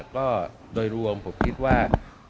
ก็โดยรวมผมคิดว่า